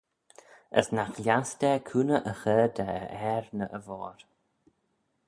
As nagh lhiass da cooney y chur da e ayr ny e voir.